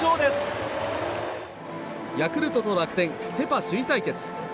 ヤクルトと楽天セ・パ首位対決。